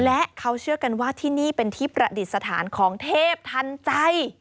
และเขาเชื่อกันว่าที่นี่เป็นที่ประดิษฐานของเทพทันใจ